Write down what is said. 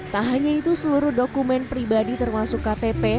tak hanya itu seluruh dokumen pribadi termasuk ktp